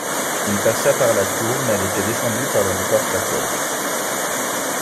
Il passa par la cour mais elle était défendue par une porte à code.